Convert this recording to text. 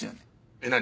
えっ何？